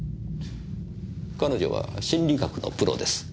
彼女は心理学のプロです。